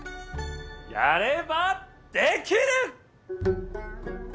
やればできる！